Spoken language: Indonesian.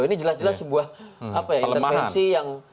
ini jelas jelas sebuah intervensi yang